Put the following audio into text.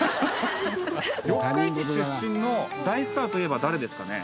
四日市出身の大スターといえば誰ですかね？